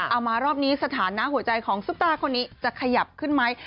มารอบนี้สถานะหัวใจของซุปตาคนนี้จะขยับขึ้นไหม